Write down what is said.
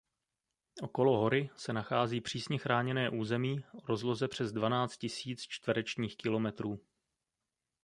Okolo hory se nachází přísně chráněné území o rozloze přes dvanáct tisíc čtverečních kilometrů.